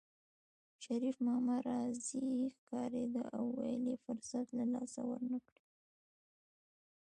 شريف ماما راضي ښکارېده او ویل یې فرصت له لاسه ورنکړو